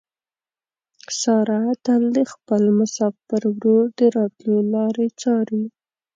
ساره تل د خپل مسافر ورور د راتلو لارې څاري.